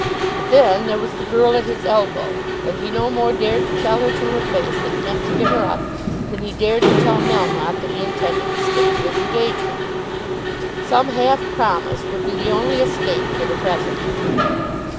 But then here was the girl at his elbow, and he no more dared to tell her to her face that he meant to give her up, than he dared to tell Melmotte that he intended to stick to his engagement. Some half promise would be the only escape for the present.